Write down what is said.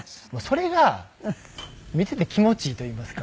それが見ていて気持ちいいと言いますか。